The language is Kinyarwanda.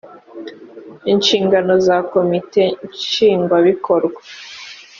inshingano za komite nshingwabikorwa